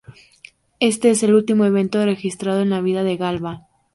Este es el último evento registrado en la vida de Galba.